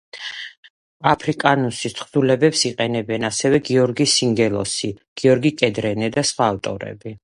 აფრიკანუსის თხზულებებს იყენებენ ასევე გიორგი სინგელოსი, გიორგი კედრენე და სხვა ავტორები.